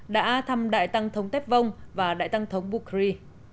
đã thăm đại tăng thống tép vông và đại tăng thống bukri